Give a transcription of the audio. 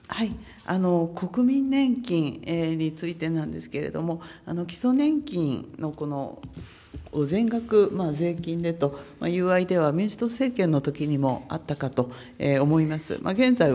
国民年金についてなんですけれども、基礎年金の全額、税金でというのは、アイデアは、民主党政権のときにもあったかと思います。